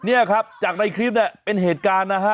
เนี่ยครับจากในคลิปน่ะเป็นเหตุผลนะครับ